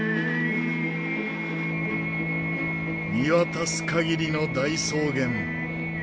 見渡す限りの大草原。